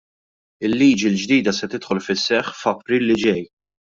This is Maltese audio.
Il-liġi l-ġdida se tidħol fis-seħħ f'April li ġej.